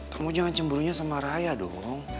kamu jangan cemburunya sama raya dong